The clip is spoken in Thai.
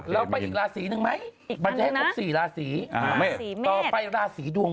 ไปอีกราศีนึงไหมอีกนั้นนะมันจะให้ปลูกสี่ราศีต่อไปราศีดวง